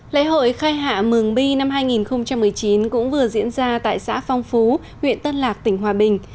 lễ hội khai hạ mường bi năm hai nghìn một mươi chín cũng vừa diễn ra tại xã phong phú huyện tân lạc tỉnh hòa bình